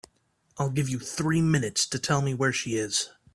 I'll give you three minutes to tell me where she is.